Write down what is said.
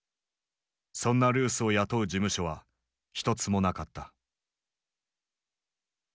そんなルースを雇う事務所は一つもなかった。